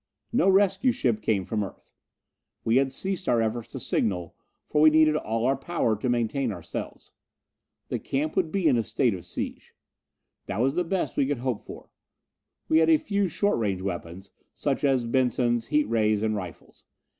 No rescue ship came from Earth. We had ceased our efforts to signal, for we needed all our power to maintain ourselves. The camp would be in a state of siege. That was the best we could hope for. We had a few short range weapons, such as Bensons, heat rays and rifles.